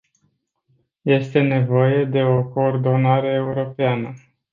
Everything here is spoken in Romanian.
Este nevoie de o coordonare europeană.